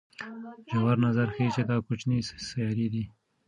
ژور نظر ښيي چې دا کوچنۍ سیارې دي.